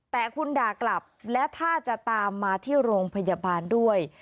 แต่คุณด่ากลับและถ้าจะตามมาที่โรงพยาบาลด้วย